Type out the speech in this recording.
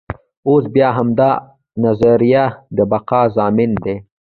اوس بیا همدا نظریه د بقا ضامن دی.